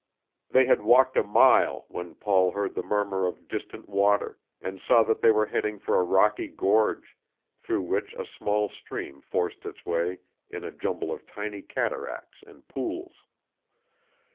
They had walked a mile, when Paul heard the murmur of distant water, and saw that they were heading for a rocky gorge, through which a small stream forced its way in a jumble of tiny cataracts and pools.